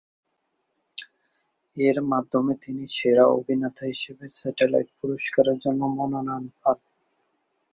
এর মাধ্যমে তিনি সেরা অভিনেতা হিসেবে স্যাটেলাইট পুরষ্কারের জন্য মনোনয়ন পান।